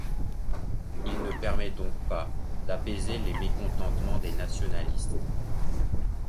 Il ne permet donc pas d'apaiser les mécontentements des nationalistes.